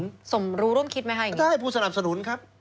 สมรู้ร่วมคิดไหมคะอย่างนี้ได้ผู้สนับสนุนครับ